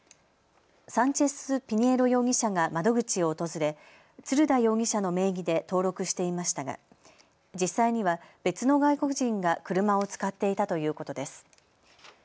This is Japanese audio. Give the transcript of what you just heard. サンチェス・ピニエロ容疑者が窓口を訪れツルダ容疑者の名義で登録していましたが実際には別の外国人が車を使っていたということです。